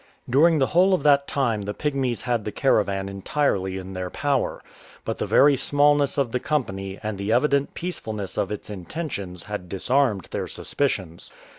During the whole of that time the Pygmies had the caravan entirely in their power; but the very smallness of the company and the evident peacefulness of its intentions had disarmed their suspicions.